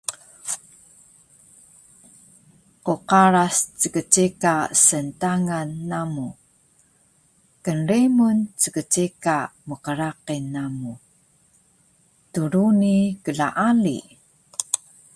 Qqaras ckceka sntangan namu. Knremun ckceka mqraqil namu. Druni klaali